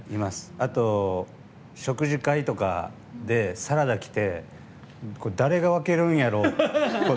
あと、食事会とかでサラダきて、誰が分けるんやろう。